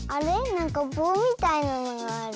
なんかぼうみたいなものある。